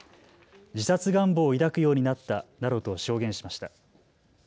自殺願望を抱くようになったなどと証言しました。